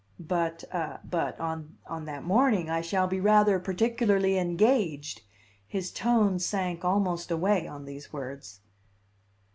"But a but on that morning I shall be rather particularly engaged." His tones sank almost away on these words.